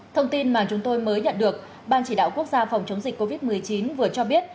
thông tin mà chúng tôi mới nhận được ban chỉ đạo quốc gia phòng chống dịch covid một mươi chín vừa cho biết